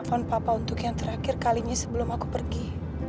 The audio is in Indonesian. bapak nge telepon papa untuk yang terakhir kalinya sebelum aku pergi